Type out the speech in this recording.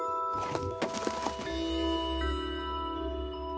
はい。